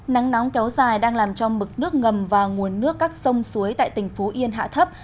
nắng nóng kéo dài đang làm cho mực nước ngầm và nguồn nước các sông suối tại tỉnh phú yên hạ thấp